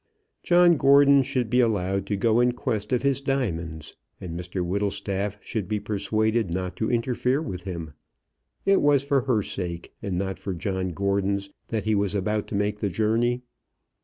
John Gordon should be allowed to go in quest of his diamonds, and Mr Whittlestaff should be persuaded not to interfere with him. It was for her sake, and not for John Gordon's, that he was about to make the journey.